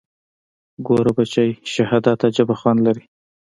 ګوره بچى شهادت عجيبه خوند لري.